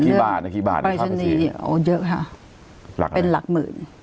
กี่บาทนะกี่บาทปรายชนีโอ้เยอะค่ะเป็นหลักหมื่น